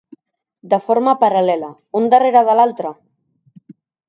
De forma paral·lela, un darrere de l’altra?